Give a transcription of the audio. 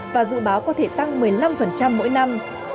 và dự báo có thể tăng một mươi năm mỗi năm